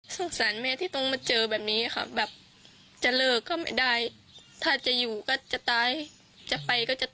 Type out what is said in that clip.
สารแม่ที่ต้องมาเจอแบบนี้ค่ะแบบจะเลิกก็ไม่ได้ถ้าจะอยู่ก็จะตายจะไปก็จะตาย